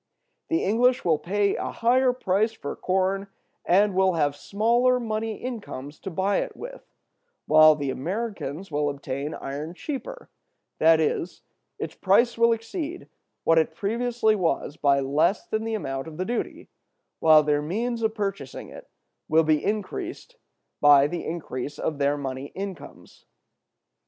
The English will pay a higher price for corn, and will have smaller money incomes to buy it with; while the Americans will obtain iron cheaper, that is, its price will exceed what it previously was by less than the amount of the duty, while their means of purchasing it will be increased by the increase of their money incomes.